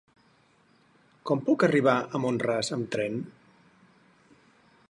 Com puc arribar a Mont-ras amb tren?